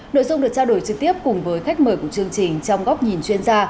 nội dung được trao đổi trực tiếp cùng với khách mời của chương trình trong góc nhìn chuyên gia